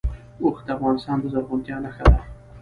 اوښ د افغانستان د زرغونتیا نښه ده.